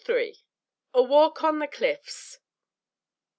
A WALK ON THE CLIFFS.